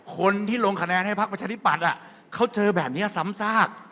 คนที่ลงคะแนนให้พักประชาธิปัตย์เขาเจอแบบนี้ซ้ำซาก